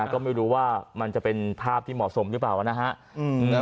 ก็ไม่รู้ว่ามันจะเป็นภาพที่เหมาะสมหรือเปล่านะฮะ